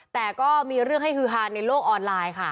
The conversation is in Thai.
แต่ก็มีเรื่องให้ฮือฮาในโลกออนไลน์ค่ะ